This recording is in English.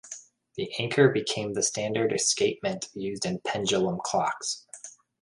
The anchor became the standard escapement used in pendulum clocks.